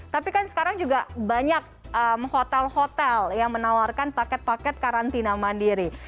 tapi kan sekarang juga banyak hotel hotel yang menawarkan paket paket karantina mandiri